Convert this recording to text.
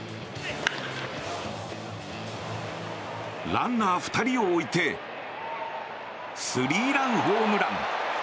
ランナー２人を置いてスリーランホームラン。